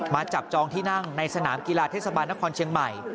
จับจองที่นั่งในสนามกีฬาเทศบาลนครเชียงใหม่